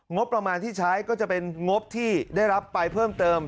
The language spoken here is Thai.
งบประมาณที่ใช้ก็จะเป็นงบที่ได้รับไปเพิ่มเติม